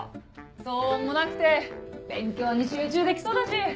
騒音もなくて勉強に集中できそうだし。